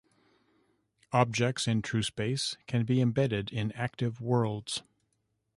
Objects in trueSpace can be embedded in Active Worlds.